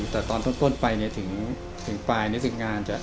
แต่ตอนต้นไปถึงปลายนี่คืองานจะ